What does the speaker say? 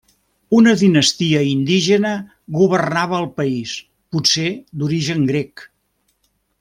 Una dinastia indígena governava el país potser d'origen grec.